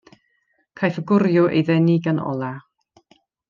Caiff y gwryw ei ddenu gan olau.